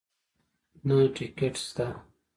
نه ټکټ شته